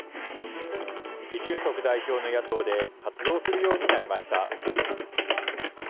イ・ジュンソク代表の野党で活動するようになりました。